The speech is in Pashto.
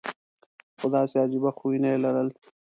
خو داسې عجیبه خویونه یې لرل.